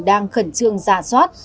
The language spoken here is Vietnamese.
đang khẩn trương giả soát